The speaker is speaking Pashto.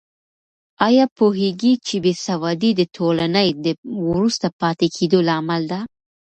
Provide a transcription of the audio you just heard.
آیا پوهېږې چې بې سوادي د ټولنې د وروسته پاتې کېدو لامل ده؟